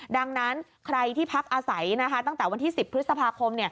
ดังนั้นใครที่พักอาศัยตั้งแต่วันที่๑๐พฤษภาคม